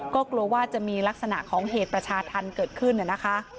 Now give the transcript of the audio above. ก็กลัวว่าจะมีลักษณะของเหตุประชาธรรมเกิดขึ้นนะคะ